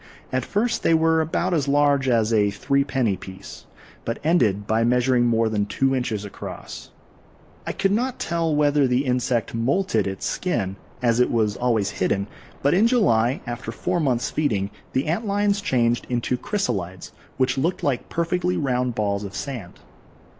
At first they were about as large as a threepenny piece, but ended by measuring more than two inches across. I could not tell whether the insect moulted its skin, as it was always hidden, but in July, after four months' feeding, the ant lions changed into chrysalides, which looked like perfectly round balls of sand.